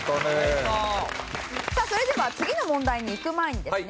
さあそれでは次の問題にいく前にですね